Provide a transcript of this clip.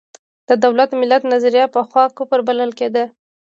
د دولت–ملت نظریه پخوا کفر بلل کېده.